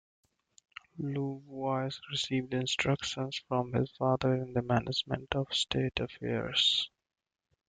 Louvois received instructions from his father in the management of state affairs.